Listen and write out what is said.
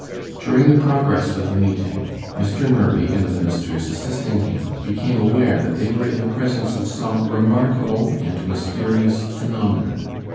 During the progress of the meeting, Mr. Murray and the ministers assisting him became aware that they were in the presence of some remarkable and mysterious phenomenon.